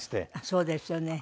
そうですよね。